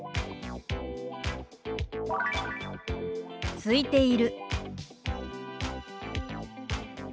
「すいている」。